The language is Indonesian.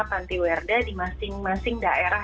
panti werda di masing masing daerah